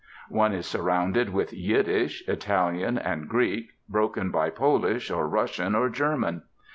One is surrounded with Yiddish, Italian, and Greek, broken by Polish, or Russian, or German.